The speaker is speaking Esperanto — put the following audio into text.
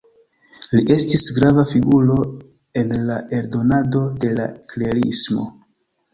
Li estis grava figuro en la eldonado de la klerismo.